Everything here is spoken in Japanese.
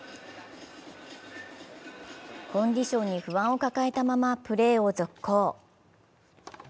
コンディションに不安を抱えたまま、プレーを続行。